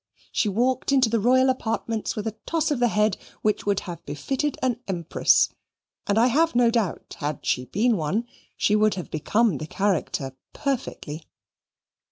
She walked into the royal apartments with a toss of the head which would have befitted an empress, and I have no doubt had she been one, she would have become the character perfectly.